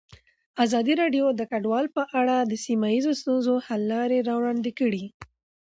ازادي راډیو د کډوال په اړه د سیمه ییزو ستونزو حل لارې راوړاندې کړې.